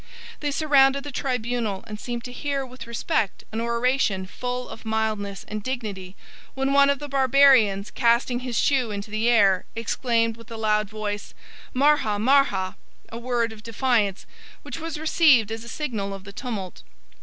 They surrounded the tribunal, and seemed to hear with respect an oration full of mildness and dignity when one of the Barbarians, casting his shoe into the air, exclaimed with a loud voice, Marha! Marha! 4711 a word of defiance, which was received as a signal of the tumult.